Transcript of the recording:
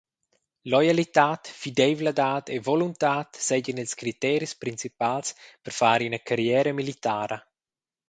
Loialitad, fideivladad e voluntad seigien ils criteris principals per far ina carriera militara.